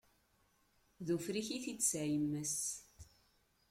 D ufrik i t-id-tesɛa yemma s.